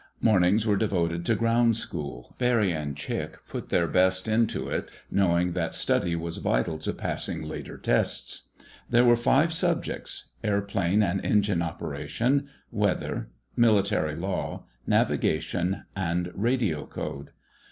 Mornings were devoted to Ground School. Barry and Chick put their best into it, knowing that study was vital to passing later tests. There were five subjects: Airplane and Engine Operation, Weather, Military Law, Navigation, and Radio Code.